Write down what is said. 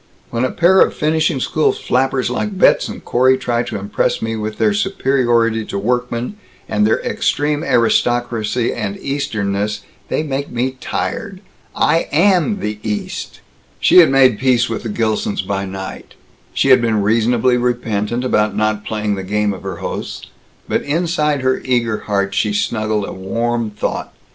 When a pair of finishing school flappers like Betz and Corey try to impress me with their superiority to workmen, and their extreme aristocracy and Easternness, they make me tired. I am the East!" She had made peace with the Gilsons by night; she had been reasonably repentant about not playing the game of her hosts; but inside her eager heart she snuggled a warm thought.